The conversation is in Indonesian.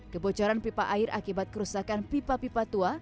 kebocoran pipa air akibat kerusakan pipa pipa tua